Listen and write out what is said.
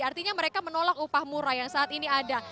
artinya mereka menolak upah murah yang saat ini ada